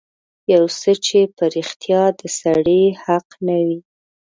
يو څه چې په رښتيا د سړي حق نه وي.